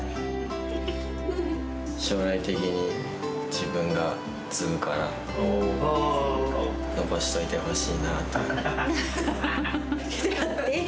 将来的に自分が継ぐから、残しておいてほしいなと。